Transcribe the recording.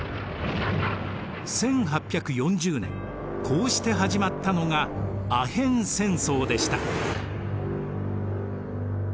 １８４０年こうして始まったのがアヘン戦争でした。